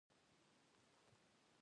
د تهجد لمانځه وخت وو.